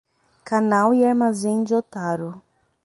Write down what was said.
Canal e Armazém de Otaru